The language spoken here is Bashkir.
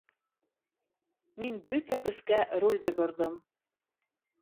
Мин бөтә көскә рулде борҙом.